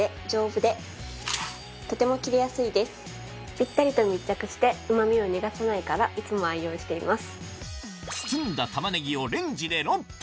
ぴったりと密着してうま味を逃がさないからいつも愛用しています。